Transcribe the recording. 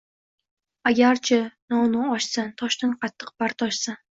Аgar-chi nonu oshsan, toshdan qattiq bardoshsan